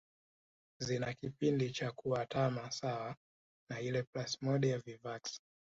Zina kipindi cha kuatama sawa na ile ya Plasmodium vivax